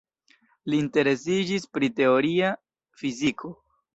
Li interesiĝis pri teoria fiziko.